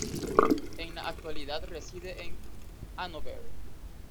En la actualidad reside en Hanóver.